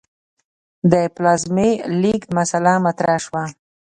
د پلازمې لېږد مسئله مطرح شوه.